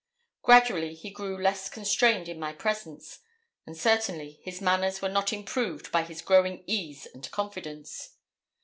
Gradually he grew less constrained in my presence, and certainly his manners were not improved by his growing ease and confidence.